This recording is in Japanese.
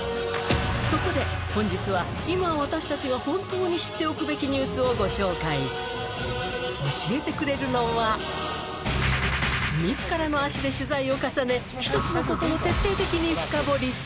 そこで本日は今私たちが本当に知っておくべきニュースをご紹介教えてくれるのはを重ね１つのことをのが分かります。